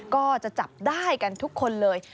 ก็จะจับได้กันทุกคนเลย